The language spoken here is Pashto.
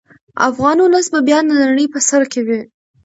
افغان ولس به بیا د نړۍ په سر کې وي.